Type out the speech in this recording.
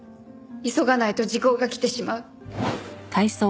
急がないと時効が来てしまう。